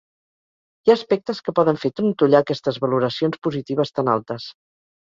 Hi ha aspectes que poden fer trontollar aquestes valoracions positives tan altes.